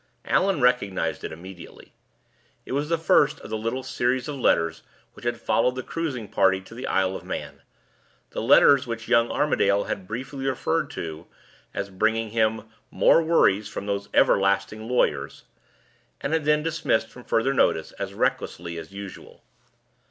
Allan recognized it instantly. It was the first of the little series of letters which had followed the cruising party to the Isle of Man the letter which young Armadale had briefly referred to as bringing him "more worries from those everlasting lawyers," and had then dismissed from further notice as recklessly as usual.